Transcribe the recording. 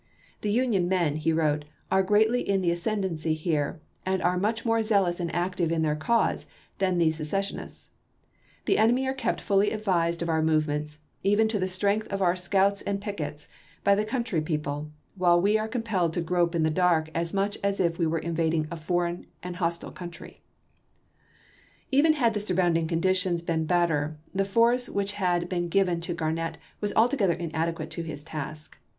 " The Union men," he wrote, " are greatly in the ascendency here, and are much more zealous and active in their cause than the seces sionists. The enemy are kept fully advised of our movements, even to the strength of our scouts and 334 ABRAHAM LINCOLN Garnett to Deas, June 25, 1861. W. R Vol. II., p. 238. 1861. CHAP. XIX. pickets, by the country people, while we are com pelled to grope in the dark as much as if we were invading a foreign and hostile country." Even had the suiTOunding conditions been bet ter, the force which had been given to Garnett was altogether inadequate to his task.